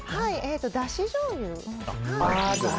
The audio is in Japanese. だしじょうゆ。